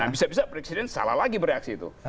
nah bisa bisa presiden salah lagi bereaksi itu